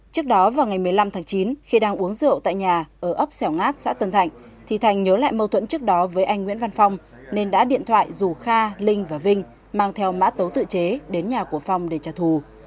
trước đó vào ngày một mươi năm tháng chín khi đang uống rượu tại nhà ở ấp xẻo ngát xã tân thạnh thì thành nhớ lại mâu thuẫn trước đó với anh nguyễn văn phong nên đã điện thoại rủ kha linh và vinh mang theo mã tấu tự chế đến nhà của phong để trả thù